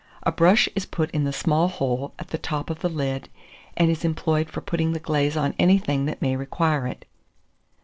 A brush is put in the small hole at the top of the lid, and is employed for putting the glaze on anything that may require it.